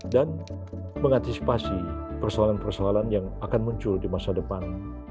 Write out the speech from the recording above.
dan mengantisipasi persoalan persoalan yang akan muncul di masa depan